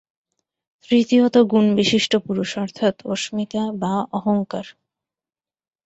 তৃতীয়ত গুণবিশিষ্ট পরুষ অর্থাৎ অস্মিতা বা অহঙ্কার।